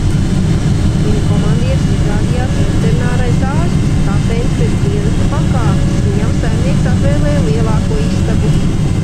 Viņu komandieris izrādījās veterinārais ārsts, kapteinis pēc dienesta pakāpes, viņam saimnieks atvēlēja lielāko istabu.